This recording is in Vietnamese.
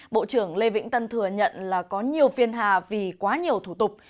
bộ trưởng lê vĩnh tân thừa nhận là có nhiều phiên hà vì quá nhiều thủ tục